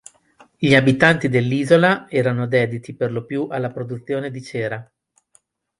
Gli abitanti dell'isola erano dediti per lo più alla produzione di cera.